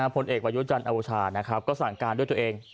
ผลเอกประยุจันทร์โอชานะครับก็สั่งการด้วยตัวเอง